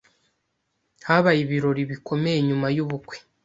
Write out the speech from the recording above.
Habaye ibirori bikomeye nyuma yubukwe